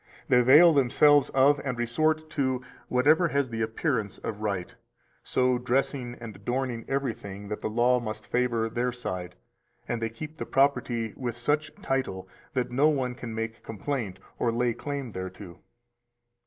they avail themselves of, and resort to, whatever has the appearance of right, so dressing and adorning everything that the law must favor their side, and they keep the property with such title that no one can make complaint or lay claim thereto.